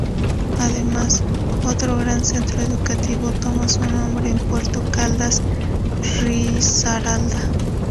Además otro gran centro educativo toma su nombre en Puerto Caldas, Risaralda.